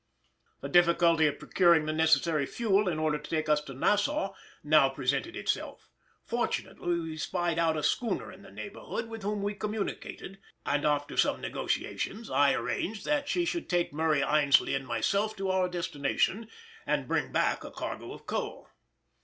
The difficulty of procuring the necessary fuel, in order to take us to Nassau, now presented itself; fortunately we spied out a schooner in the neighbourhood with whom we communicated, and after some negotiations I arranged that she should take Murray Aynsley and myself to our destination, and bring back a cargo of coal.